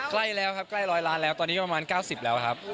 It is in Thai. ใกล้แล้วครับใกล้๑๐๐ล้านแล้วตอนนี้ประมาณ๙๐แล้วครับ